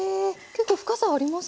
結構深さありますね。